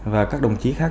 và các đồng chí khác